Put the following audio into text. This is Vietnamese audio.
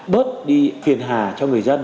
bớt đi phiền hà cho người dân